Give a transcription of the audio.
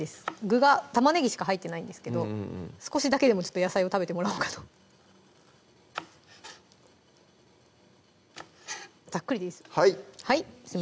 具が玉ねぎしか入ってないんですけど少しだけでもちょっと野菜を食べてもらおうかとざっくりでいいです